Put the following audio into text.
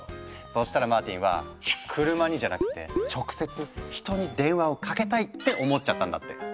そしたらマーティンは「クルマにじゃなくって直接人に電話をかけたい」って思っちゃったんだって。